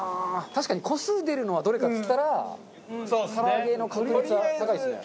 確かに個数出るのはどれかっつったら唐揚げの確率は高いですね。